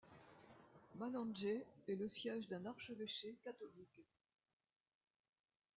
Malanje est le siège d'un archevêché catholique.